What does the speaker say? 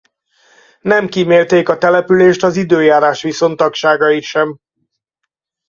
Nem kímélték a települést az időjárás viszontagságai sem.